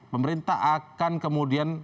pemerintah akan kemudian